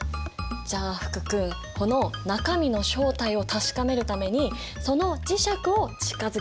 じゃあ福君この中身の正体を確かめるためにその磁石を近づけてみて。